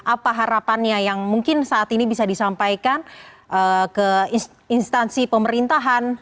apa harapannya yang mungkin saat ini bisa disampaikan ke instansi pemerintahan